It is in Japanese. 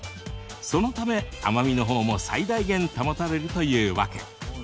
そのため、甘みのほうも最大限保たれるというわけ。